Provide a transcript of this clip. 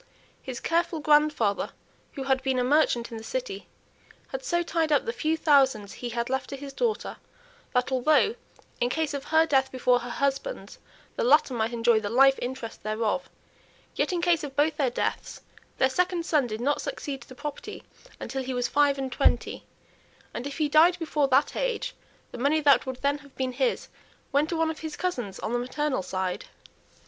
His careful grandfather, who had been a merchant in the city, had so tied up the few thousands he had left to his daughter, that although, in case of her death before her husband's, the latter might enjoy the life interest thereof, yet, in case of both their deaths, their second son did not succeed to the property until he was five and twenty; and if he died before that age, the money that would then have been his went to one of his cousins on the maternal side.